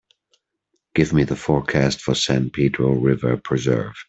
Give me the forecast for San Pedro River Preserve